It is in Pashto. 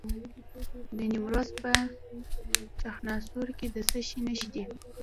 د نیمروز په چخانسور کې د څه شي نښې دي؟